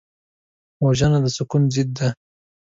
وژنه د سکون ضد ده